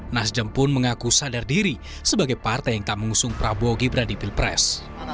nasdem pun mengaku sadar diri sebagai partai yang tak mengusung prabowo gibran di pilpres